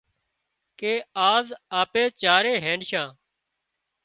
ڪي آز آپ چارئي هينڏشان